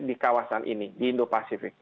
di kawasan ini di indo pasifik